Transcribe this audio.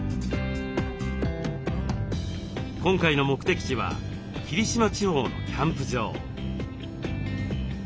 今回の目的地は霧島地方のキャンプ場。